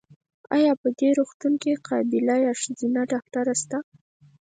ایا په دي روغتون کې قابیله یا ښځېنه ډاکټره سته؟